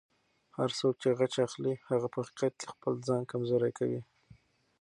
هر څوک چې غچ اخلي، هغه په حقیقت کې خپل ځان کمزوری کوي.